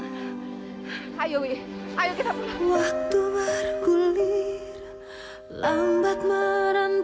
tapi jangan berharap dewi bisa kamu bawa pulang